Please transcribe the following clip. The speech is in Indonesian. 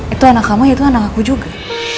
itu anak kamu itu anak aku juga